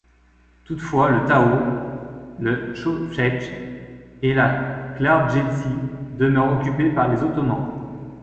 Toutefois le Tao, le Chawcheth et la Klardjéthie demeurent occupés par les Ottomans.